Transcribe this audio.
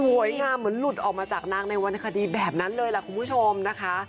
เหมือนหลุดออกมาจากนางในวรรณคดีแบบนั้นเลยล่ะคุณผู้ชมนะคะ